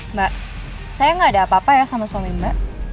mbak saya gak ada apa apa ya sama suami mbak